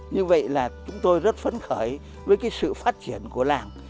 như vậy là chúng tôi rất phấn khởi với sự phát triển của làng